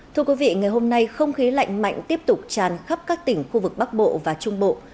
thưa quý vị ngày hôm nay không khí lạnh mạnh tiếp tục tràn khắp các tỉnh khu vực bắc bộ và trung bộ